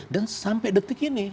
dan sampai detik ini